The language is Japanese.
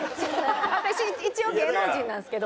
私一応芸能人なんですけど今。